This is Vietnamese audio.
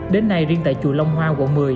đến nay riêng tại chùa long hoa quận một mươi